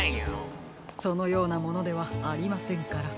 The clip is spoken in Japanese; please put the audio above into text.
そのようなものではありませんから。